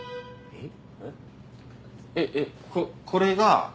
えっ？